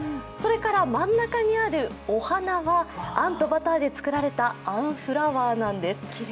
それから真ん中にあるお花があんとバターで作られたあんフラワーなんです。